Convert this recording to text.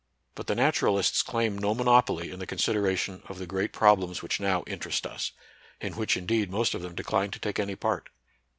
But the naturalists claim no monopoly in the consideration of the great problems which now interest us, in which indeed most of them de cline to take any part.